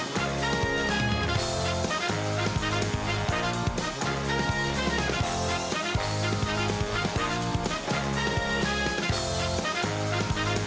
โปรดติดตามตอนต่อไป